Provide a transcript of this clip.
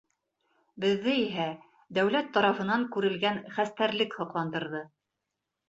Беҙҙе иһә дәүләт тарафынан күрелгән хәстәрлек һоҡландырҙы.